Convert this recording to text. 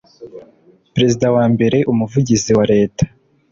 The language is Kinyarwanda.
perezida wa mbere umuvugizi waleta